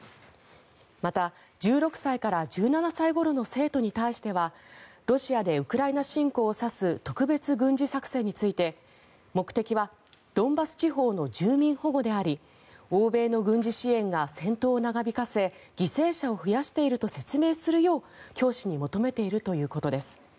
また、１６歳から１７歳ごろの生徒に対してはロシアでウクライナ侵攻を指す特別軍事作戦について目的はドンバス地方の住民保護であり欧米の軍事支援が戦闘を長引かせ犠牲者を増やしていると説明するよう教師に求めているということです。